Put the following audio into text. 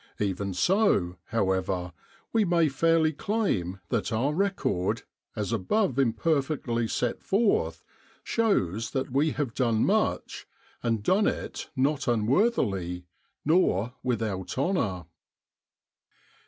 Even so, how ever, we may fairly claim that our record, as above imperfectly set forth, shows that we have done much, and done it not unworthily, nor without honour.